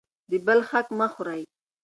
د بل حق مه خورئ.